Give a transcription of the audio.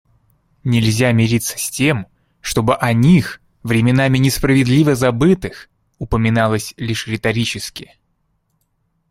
Нельзя мириться с тем, чтобы о них, временами несправедливо забытых, упоминалось лишь риторически.